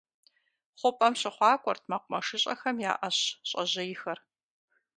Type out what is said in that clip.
Хъупӏэм щыхъуакӏуэрт мэкъумэщыщIэхэм я ӏэщ щӏэжьейхэр.